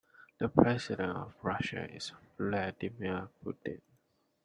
The president of Russia is Vladimir Putin.